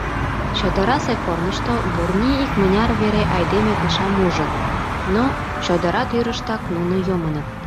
Чодырасе корнышто Бурни икмыняр вере айдеме кышам ужын, но, чодыра тӱрыштак нуно йомыныт.